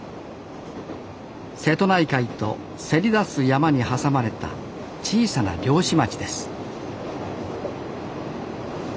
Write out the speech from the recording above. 瀬戸内海とせり出す山に挟まれた小さな漁師町です